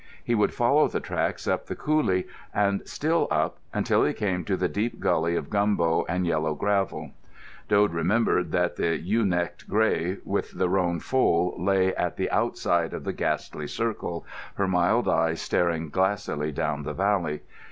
He would follow the tracks up the coolie, and still up, until he came to the deep gully of gumbo and yellow gravel. Dode remembered that the "ewe necked" grey with the roan foal lay at the outside of the ghastly circle, her mild eyes staring glassily down the valley.